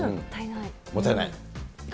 もったいない。